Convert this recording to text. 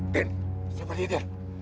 din siapa dia din